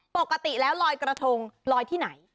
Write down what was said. ปกติแล้วลอยกระทงลอยที่ไหน